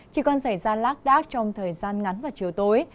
chỉ còn xảy ra lác đác trong thời gian ngắn và chiều tối